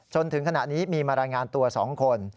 จนถึงขณะนี้มีมารายงานตัว๒คน